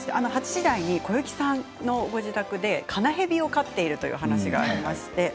８時台に小雪さんのご自宅でカナヘビを飼っているという話がありました。